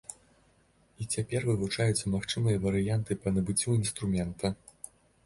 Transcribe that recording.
І цяпер вывучаюцца магчымыя варыянты па набыццю інструмента.